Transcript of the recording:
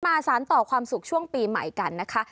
สารต่อความสุขช่วงปีใหม่กันนะคะ